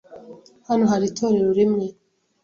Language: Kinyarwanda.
Hano hari itorero rimwe.